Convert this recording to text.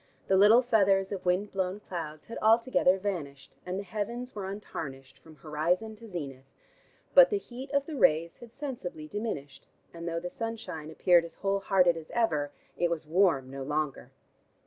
The little feathers of wind blown clouds had altogether vanished, and the heavens were untarnished from horizon to zenith. But the heat of the rays had sensibly diminished, and though the sunshine appeared as whole hearted as ever, it was warm no longer.